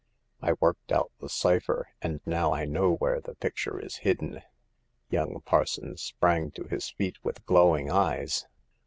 I worked out the cypher, and now I know where the picture is hidden." Young Parsons sprang to his feet with glow ing eyes.